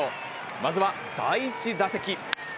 まずは第１打席。